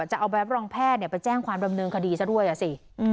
จะเอาแบบรองแพทย์ไปแจ้งความดำเนินคดีซะด้วยอ่ะสิ